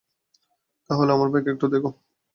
তাহলে, আমার ভাইকে একটু দেখো?